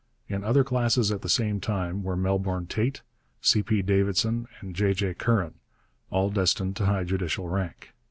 In other classes at the same time were Melbourne Tait, C. P. Davidson, and J. J. Curran, all destined to high judicial rank.